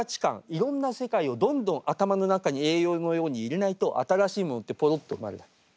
いろんな世界をどんどん頭の中に栄養のように入れないと新しいものってポロっと生まれない。